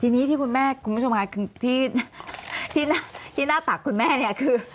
ชินที่คุณแม่คุณผู้ชมค่ะชินหน้าตักคุณแม่คือ